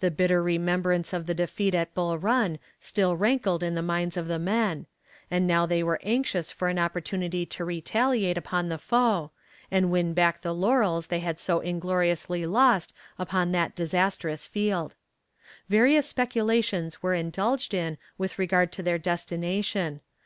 The bitter remembrance of the defeat at Bull Run still rankled in the minds of the men, and now they were anxious for an opportunity to retaliate upon the foe, and win back the laurels they had so ingloriously lost upon that disastrous field. Various speculations were indulged in with regard to their destination.